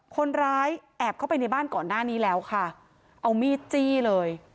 คนร้ายแอบเข้าไปในบ้านก่อนหน้านี้แล้วค่ะเอามีดจี้เลย